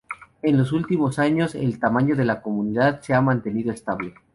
En los últimos años, el tamaño de la comunidad se ha mantenido estable.